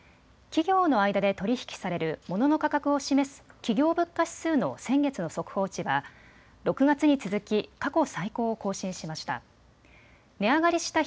企業の間で取り引きされるモノの価格を示す企業物価指数の先月の速報値は６月に続き過去最高を更新しました。